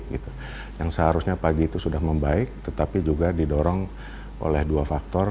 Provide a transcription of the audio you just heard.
pagi hari itu masih tinggi yang seharusnya pagi itu sudah membaik tetapi juga didorong oleh dua faktor